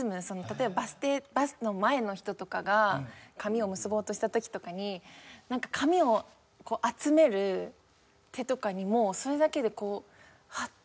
例えばバス停バスの前の人とかが髪を結ぼうとした時とかになんか髪を集める手とかにもそれだけでこうはっ！